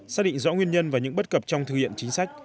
xác định rõ nguyên nhân và những bất cập trong thực hiện chính sách